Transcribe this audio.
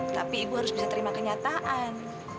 tapi ibu harus bisa terima kenyataan